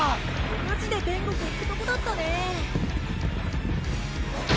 マジで天国行くとこだったね。